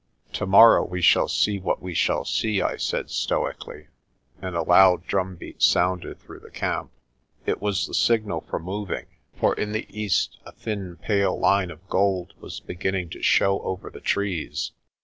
"Tomorrow we shall see what we shall see," I said stoically, and a loud drumbeat sounded through the camp. It was the signal for moving, for in the east a thin pale line of gold was beginning to show over the trees.